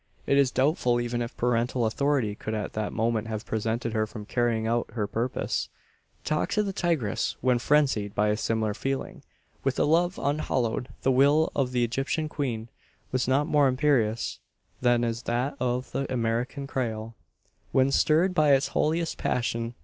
It is doubtful even if parental authority could at that moment have prevented her from carrying out her purpose. Talk to the tigress when frenzied by a similar feeling. With a love unhallowed, the will of the Egyptian queen was not more imperious than is that of the American Creole, when stirred by its holiest passion.